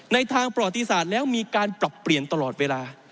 ทางประวัติศาสตร์แล้วมีการปรับเปลี่ยนตลอดเวลา